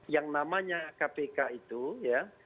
yang namanya kpk itu ya